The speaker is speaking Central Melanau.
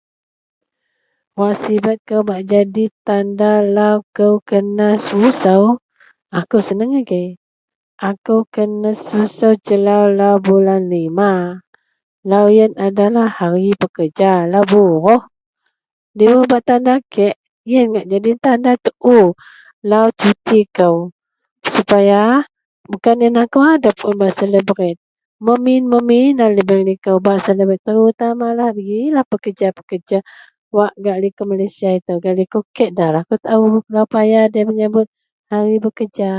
Wak sibet kou bak jadi tanda lau kou kenasusou akou senang agei akou kenasusuo jelau lau bulan lima lau iyen adalah hari pekerja lau buruh debei tanda kek iyen ngak jadi tanda tuo lau cuti kuo supaya bukan iyen akou adep kena celebret memin memin a lubeng liko terutama agei pekerja-pekerja wak gak liko malaysia gak liko kek nda kuo tao paya loyen menyabut lau pekerja.